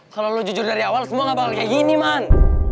kalau lo jujur dari awal semua nggak bakal kayak gini man